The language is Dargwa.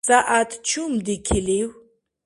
СягӀят чум дикилив?